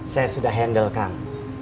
saya sudah handle kang